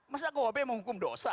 masa kuhp menghukum dosa